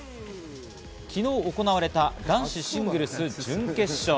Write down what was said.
昨日行われた男子シングルス準決勝。